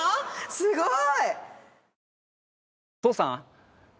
すごい！